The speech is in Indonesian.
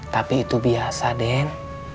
tapi itu biasa den